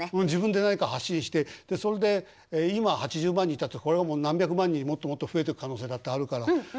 自分で何か発信してそれで今８０万人いたってこれはもう何百万人もっともっと増えてく可能性だってあるから。